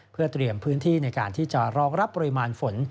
เพื่อเตรียมพื้นที่ในการที่จะรองรับปริมาณฝน